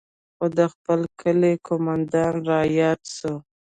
خو د خپل کلي قومندان راياد سو.